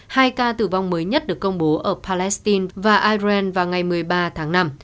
hai ca tử vong mới nhất được công bố ở palestine và iren vào ngày một mươi ba tháng năm